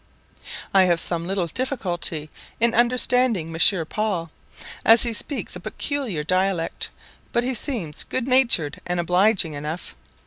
I have some little difficulty in understanding Monsieur Paul, as he speaks a peculiar dialect; but he seems good natured and obliging enough.